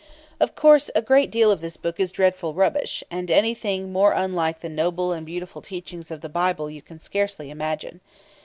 Of course, a great deal of this book is dreadful rubbish, and anything more unlike the noble and beautiful teaching of the Bible you can scarcely imagine.